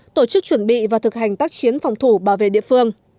tổ chức chuẩn bị và thực hành tác chiến phòng thủ bảo vệ địa phương